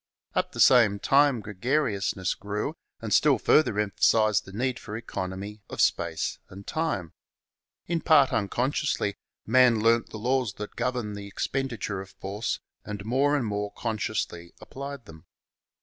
At the same time gregariousness grew and still further emphasized the need for economy of space and time. In part unconsciously, man learnt the laws that govern the expenditure of force and more and more consciously applied them.